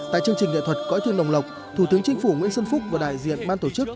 tại chương trình nghệ thuật cõi thiên đồng lộc thủ tướng chính phủ nguyễn xuân phúc và đại diện ban tổ chức